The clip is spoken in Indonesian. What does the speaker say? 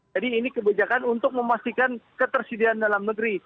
jadi ini kebijakan untuk memastikan ketersediaan dalam negeri